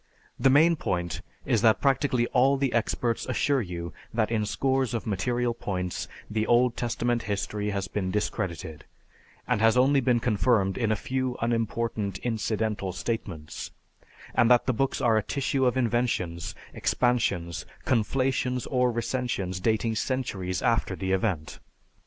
"The main point is that practically all the experts assure you that in scores of material points the Old Testament history has been discredited, and has only been confirmed in a few unimportant incidental statements; and that the books are a tissue of inventions, expansions, conflations, or recensions dating centuries after the event."